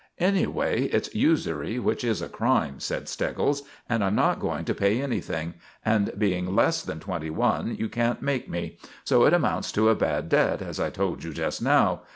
"Anyway, it's usury, which is a crime," said Steggles, "and I'm not going to pay anything; and, being less than twenty one, you can't make me; so it amounts to a bad debt, as I told you just now.